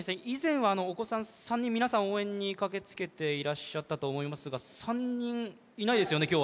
以前はお子さん３人皆さん応援に駆けつけていらっしゃったと思いますが３人いないですよね？